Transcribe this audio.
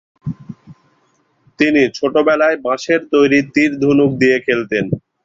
তিনি ছোটবেলায় বাঁশের তৈরি তীর-ধনুক দিয়ে খেলতেন।